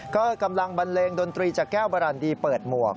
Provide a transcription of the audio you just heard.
ก็กำลังบันเลงดนตรีจากแก้วบารันดีเปิดหมวก